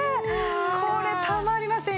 これたまりませんよ。